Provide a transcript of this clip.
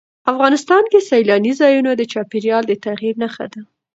افغانستان کې سیلانی ځایونه د چاپېریال د تغیر نښه ده.